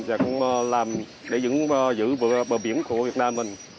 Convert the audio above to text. và cũng làm để giữ bờ biển của việt nam mình